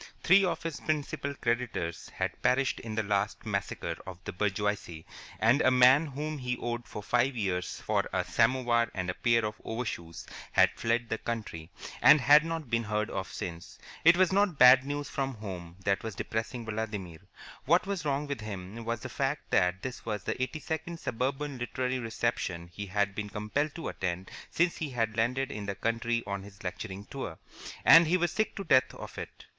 Three of his principal creditors had perished in the last massacre of the bourgeoisie, and a man whom he owed for five years for a samovar and a pair of overshoes had fled the country, and had not been heard of since. It was not bad news from home that was depressing Vladimir. What was wrong with him was the fact that this was the eighty second suburban literary reception he had been compelled to attend since he had landed in the country on his lecturing tour, and he was sick to death of it.